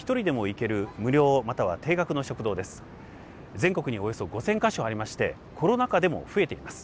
全国におよそ５，０００か所ありましてコロナ禍でも増えています。